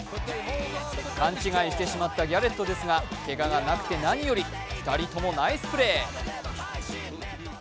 勘違いしてしまったギャレットですがけががなくて何より、２人ともナイスプレー！